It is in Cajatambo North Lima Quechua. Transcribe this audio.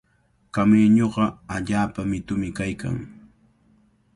Kamiñuqa allaapa mitumi kaykan.